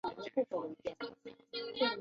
噶玛兰周刊为宜兰培养了多位人才。